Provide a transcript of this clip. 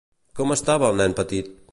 Com estava el nen petit?